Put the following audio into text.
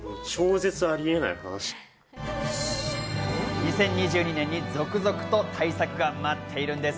２０２２年に続々と大作が待っているんです。